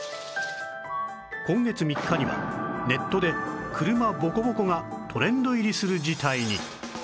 今月３日にはネットで「車ボコボコ」がトレンド入りする事態に